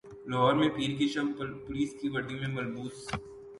لاہور میں پیر کی شب پولیس کی وردیوں میں ملبوس